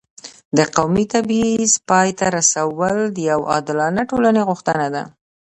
د قومي تبعیض پای ته رسول د یو عادلانه ټولنې غوښتنه ده.